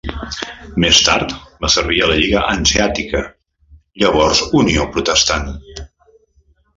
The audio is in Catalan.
Més tard va servir a la Lliga hanseàtica, llavors Unió protestant.